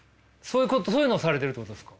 そういうのをされてるってことですか？